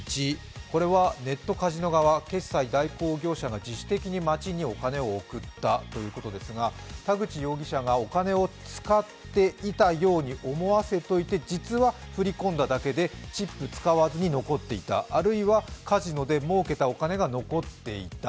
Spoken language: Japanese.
これはネットカジノ側決済代行業者が自主的に町にお金を送ったということですが、田口容疑者がお金を使っていたように思わせておいて、実は振り込んだだけでチップ使わずに残っていたあるいは、カジノでもうけたお金が残っていた